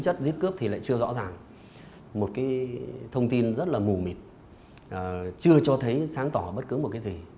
cái thông tin rất là mù mịt chưa cho thấy sáng tỏ bất cứ một cái gì